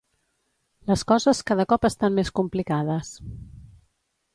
Les coses cada cop estan més complicades.